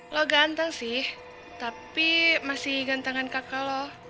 lo ganteng sih tapi masih gantengkan kakak lo